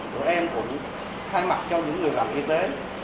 tụi em cũng thay mặt cho những người làm y tế